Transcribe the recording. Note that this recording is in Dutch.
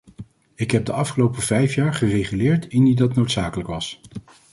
Ik heb de afgelopen vijf jaar gereguleerd indien dat noodzakelijk was.